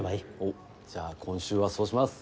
じゃあ今週はそうします。